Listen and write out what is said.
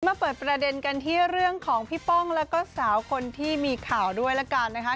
มาเปิดประเด็นกันที่เรื่องของพี่ป้องแล้วก็สาวคนที่มีข่าวด้วยละกันนะคะ